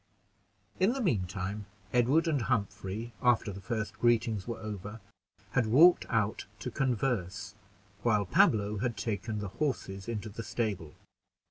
In the mean time, Edward and Humphrey, after the first greetings were over, had walked out to converse, while Pablo had taken the horses into the stable.